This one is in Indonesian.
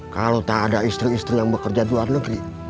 kalau tak ada istri istri yang bekerja di luar negeri